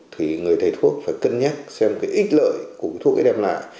thì người thầy thuốc phải cân nhắc xem cái ít lợi của thuốc ấy đem lại